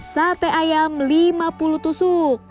sate ayam lima puluh tusuk